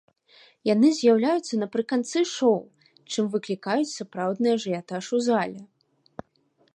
Яны з'яўляюцца напрыканцы шоў, чым выклікаюць сапраўдны ажыятаж у зале.